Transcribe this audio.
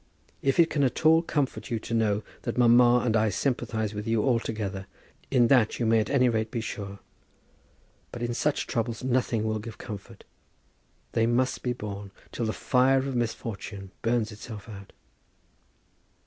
If it can at all comfort you to know that mamma and I sympathize with you altogether, in that you may at any rate be sure. But in such troubles nothing will give comfort. They must be borne, till the fire of misfortune burns itself out.